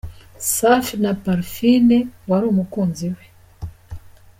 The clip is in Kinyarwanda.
Safi na Parfine wari umukunzi we